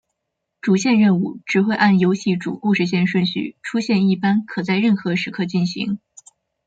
主线任务只会按游戏主故事线顺序出现一般可在任何时刻进行。